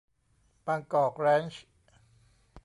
บางกอกแร้นช์